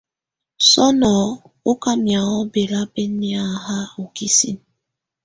Sɔnɔ́ ɔká mɛaŋɔ́ bɛlabɛ́nɛ́ ha u kisín.